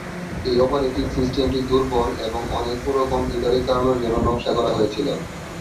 এই অপারেটিং সিস্টেমটি দূর্বল এবং অনেক পুরো কম্পিউটারে চালানোর জন্য নকশা করা হয়েছিল।